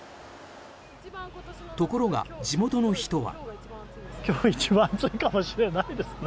ところが地元の人は。